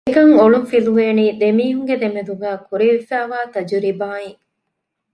އެކަން އޮޅުން ފިލުވޭނީ ދެމީހުންގެ ދެމެދުގައި ކުރެވިފައިވާ ތަޖުރިބާއިން